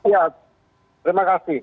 iya terima kasih